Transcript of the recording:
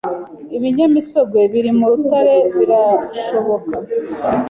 Ibinyamisogwe biri mu rutare birashoboka